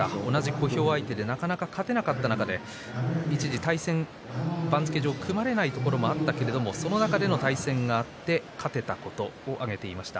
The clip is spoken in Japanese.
小兵の相手でなかなか勝てなかった中で対戦番付上、組まれないところあったけれどその中で対戦があって勝てたことを挙げていました。